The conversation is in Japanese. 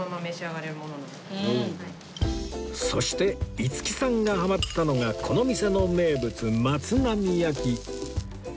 そして五木さんがハマったのがこの店の名物松浪焼き